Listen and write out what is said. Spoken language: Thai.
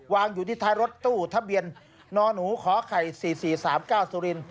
วางอยู่ที่ท้ายรถตู้ทะเบียนนหนูขอไข่๔๔๓๙สุรินท